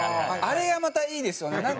あれがまたいいですよね。